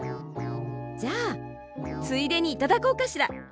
じゃあついでにいただこうかしら。